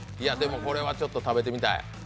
でも、これはちょっと食べてみたい。